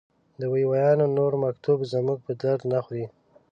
د وي ویان نور مکتوب زموږ په درد نه خوري.